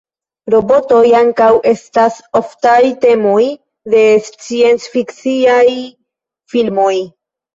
Robotoj ankaŭ estas oftaj temoj de sciencfiksiaj filmoj.